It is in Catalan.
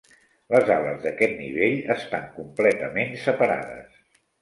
Les ales d'aquest nivell estan completament separades.